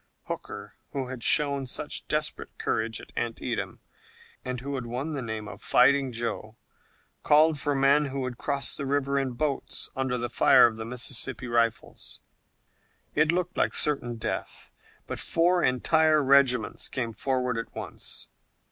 Hooker, who had shown such desperate courage at Antietam and who had won the name of Fighting Joe, called for men who would cross the river in boats under the fire of the Mississippi rifles. It looked like certain death, but four entire regiments came forward at once.